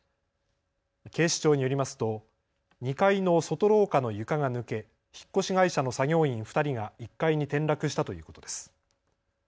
警視庁によりますと２階の外廊下の床が抜け、引っ越し会社の作業員２人が１階に転落したということです。